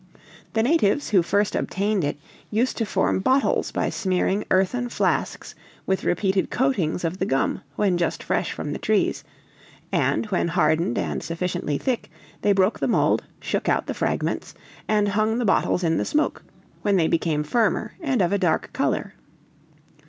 The natives, who first obtained it, used to form bottles by smearing earthen flasks with repeated coatings of the gum when just fresh from the trees, and when hardened and sufficiently thick, they broke the mold, shook out the fragments, and hung the bottles in the smoke, when they became firmer and of a dark color.